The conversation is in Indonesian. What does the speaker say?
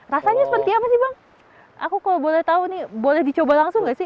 rasanya seperti apa sih bang aku kalau boleh tahu nih boleh dicoba langsung nggak sih